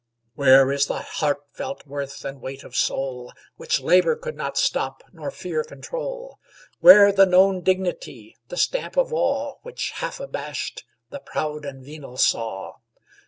Where is the heart felt worth and weight of soul, Which labor could not stop, nor fear control? Where the known dignity, the stamp of awe, Which, half abashed, the proud and venal saw?